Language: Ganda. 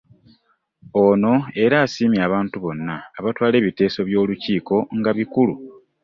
Ono era asiimye abantu bonna abatwala ebiteeso by'Olukiiko nga bikulu